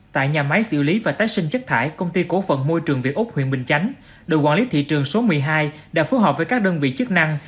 tại nhà máy xử lý và tái sinh chất thải công ty cố phận môi trường việt úc huyện bình chánh đội quản lý thị trường số một mươi hai đã phối hợp với các đơn vị chức năng